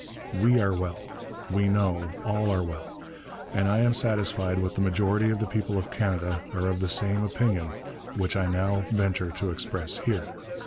We are well, we know, all are well, and I am satisfied that the majority of the people of Canada are of the same opinion which I now venture to express here....